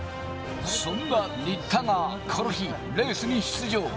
そんな新田がこの日、レースに出場。